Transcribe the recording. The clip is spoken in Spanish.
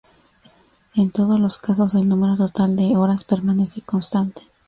En todos los casos el número total de horas permanece constante.